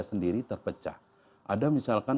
sendiri terpecah ada misalkan